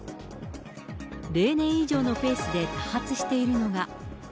例年以上のペースで多発しているのが。